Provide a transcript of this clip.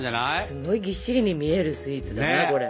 すごいぎっしりに見えるスイーツだなこれ。